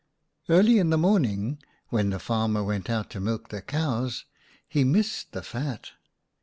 11 Early in the morning, when the farmer went out to milk the cows, he missed the fat.